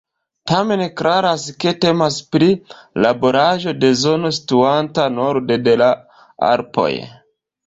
Tamen klaras ke temas pri laboraĵo de zono situanta norde de la Alpoj.